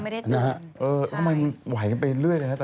เออทำไมมันไหวไปเรื่อยเลยนะตอนนี้